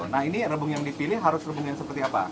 nah ini rebung yang dipilih harus rebung yang seperti apa